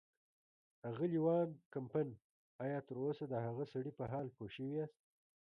اغلې وان کمپن، ایا تراوسه د هغه سړي په حال پوه شوي یاست.